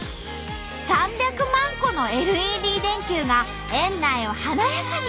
３００万個のＬＥＤ電球が園内を華やかに演出。